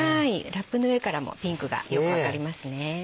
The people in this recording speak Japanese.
ラップの上からもピンクがよく分かりますね。